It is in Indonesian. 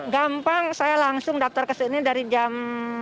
gampang saya langsung daftar ke sini dari jam